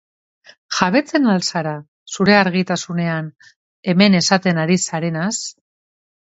Jabetzen al zara, zure argitasunean, hemen esaten ari zarenaz?